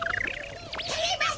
てれます